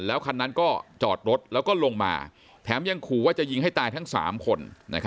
คันนั้นก็จอดรถแล้วก็ลงมาแถมยังขู่ว่าจะยิงให้ตายทั้ง๓คน